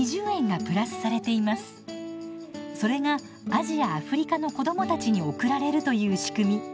それがアジア・アフリカの子どもたちに送られるという仕組み。